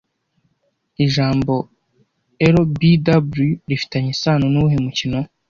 Ijambo LBW rifitanye isano nuwuhe mukino